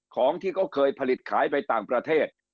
ของที่เขาเคยผลิตขายไปต่างประเทศ